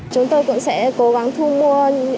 chúng tôi cũng sẽ cố gắng thu mua